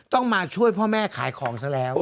ต้องมาช่วยพ่อแม่ขายของซะแล้ว